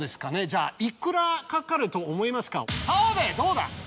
じゃあいくらかかると思いますか？